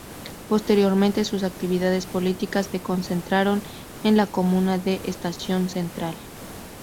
Posteriormente sus actividades políticas de concentraron en la comuna de Estación Central.